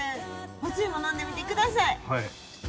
おつゆも飲んでみてください。